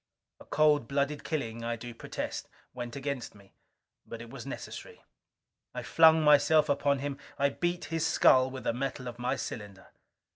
A cold blooded killing, I do protest, went against me. But it was necessary. I flung myself upon him. I beat his skull with the metal of my cylinder.